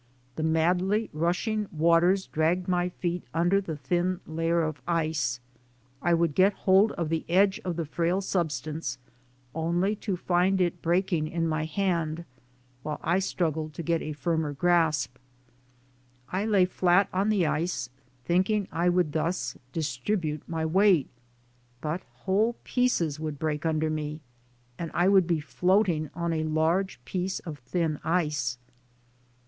The madly rushing waters dragged my feet under the thin layer of ice. I would get hold of the edge of the frail substance only to find it breaking in my hand while I struggled to get a firmer grasp. I lay flat on the ice, thinking I could thus distribute my weight, but whole pieces would break under me and I would be floating on a large piece of thin ice.